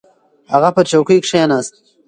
هغه پر څوکۍ کښېناست.